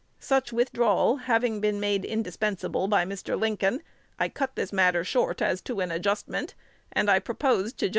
Such withdrawal having been made indispensable by Mr. Lincoln, I cut this matter short as to an adjustment, an I proposed to Gan.